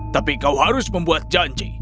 tapi kau harus membuat janji